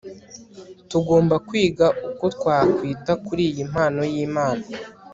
tugomba kwiga uko twakwita kuri iyi mpano y'imana